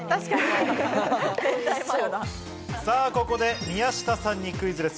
ここで宮下さんにクイズです。